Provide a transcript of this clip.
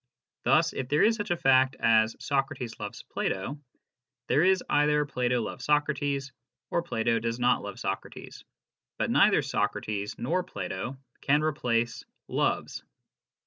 Thus if there is such a fact as " Socrates loves Plato," there is either " Plato loves Socrates " or " Plato does not love Socrates," but neither Socrates nor Plato can replace loves.